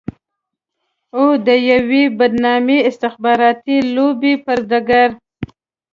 او د يوې بدنامې استخباراتي لوبې پر ډګر.